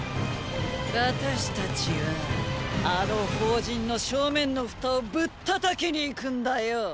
私たちはァあの方陣の正面のフタをぶっ叩きに行くんだよォ。